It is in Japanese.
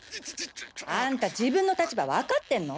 アンタ自分の立場わかってんの？